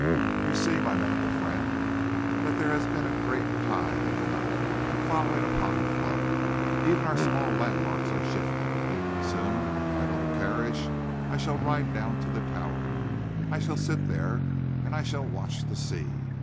"You see, my medical friend, that there has been a great tide in the night, following upon the flood? Even our small landmarks are shifted. Soon, in my little carriage, I shall ride down to the Tower. I shall sit there, and I shall watch the sea.